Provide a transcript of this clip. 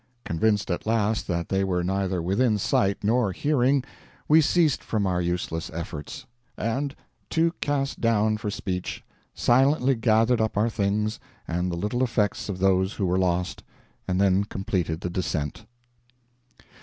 Convinced at last that they were neither within sight nor hearing, we ceased from our useless efforts; and, too cast down for speech, silently gathered up our things, and the little effects of those who were lost, and then completed the descent.